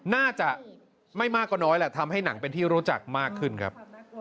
น่าจะไม่มากก็น้อยแหละทำให้หนังเป็นที่รู้จักมากขึ้นครับ